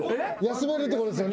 休めるってことですよね。